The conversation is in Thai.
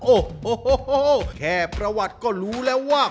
โอ้โหแค่ประวัติก็รู้แล้วว่า